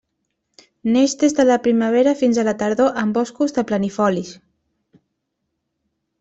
Neix des de la primavera fins a la tardor en boscos de planifolis.